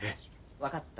分かった。